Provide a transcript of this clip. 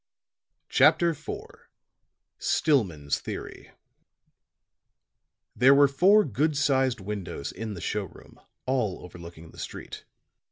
CHAPTER IV STILLMAN'S THEORY There were four good sized windows in the show room, all overlooking the street.